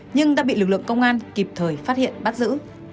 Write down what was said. nhưng đã bị lực lượng công an kịp thời phát hiện bắt giữ